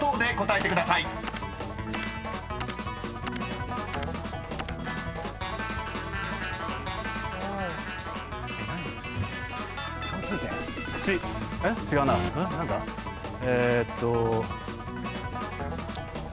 えーっと。